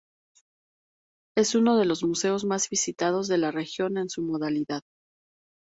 Es uno de los museos más visitados de la región en su modalidad.